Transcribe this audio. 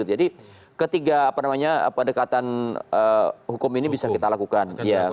jadi ketiga apa namanya pendekatan hukum ini bisa kita lakukan